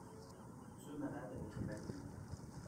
ceux malades avec le mal de mer.